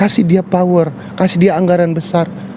kasih dia power kasih dia anggaran besar